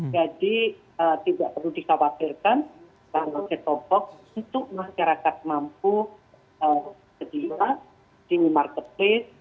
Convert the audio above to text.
jadi tidak perlu disawarkan bahwa set topoks itu masyarakat mampu sediakan di marketplace